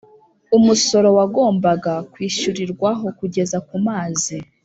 umusoro wagombaga kwishyurirwaho kugeza kumazi